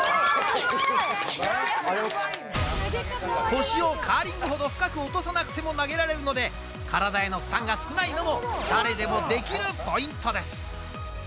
腰をカーリングほど深く落とさなくても投げられるので、体への負担が少ないのも、誰でもできるポイントです。